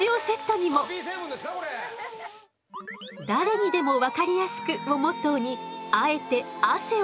誰にでも分かりやすくをモットーにあえて汗をかいて解説。